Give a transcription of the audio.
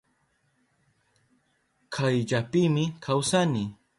Kayllapimi kawsani.